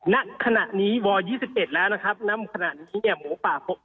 ณขณะนี้วัล๒๑แล้วนะครับ